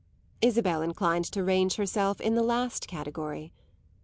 Isabel inclined to range herself in the last category.